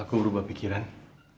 aku gak tau apa yang terjadi